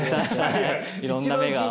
いろんな目が。